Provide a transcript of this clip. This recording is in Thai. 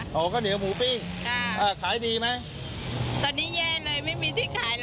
ข้าวเหนียวหมูปิ้งข้าวเหนียวหมูปิ้งข้าวเหนียวหมูปิ้งค่ะ